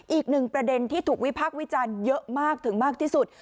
อีกหนึ่งประเด็นที่ถูกวิพากษ์วิจารณ์เยอะมากถึงมากที่สุด